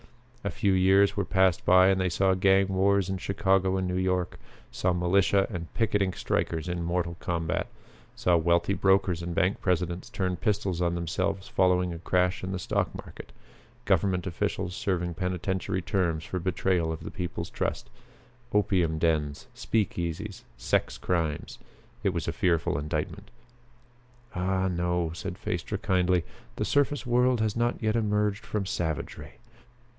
A few years were passed by and they saw gang wars in Chicago and New York; saw militia and picketing strikers in mortal combat; saw wealthy brokers and bank presidents turn pistols on themselves following a crash in the stock market; government officials serving penitentiary terms for betrayal of the people's trust; opium dens, speakeasies, sex crimes. It was a fearful indictment. "Ah, no," said Phaestra kindly, "the surface world has not yet emerged from savagery.